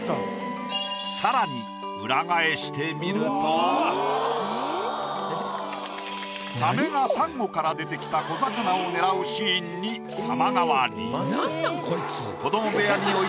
更にサメがサンゴから出てきた小魚を狙うシーンに様変わり。